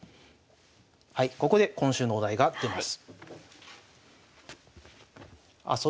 はいここで今週のお題が出ます。